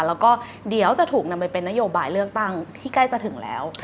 แล้วก็เดี๋ยวจะถูกนำไปเป็นนโยบายเลือกตั้งที่ใกล้จะถึงแล้ว